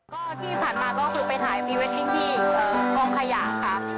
ก็ที่ผ่านมาก็คือไปถ่ายพรีเวดดิ้งที่กองขยะค่ะ